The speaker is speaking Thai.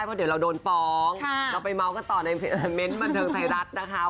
เพราะเดี๋ยวเราโดนฟ้องเราไปเมาส์กันต่อในเมนต์บันเทิงไทยรัฐนะคะ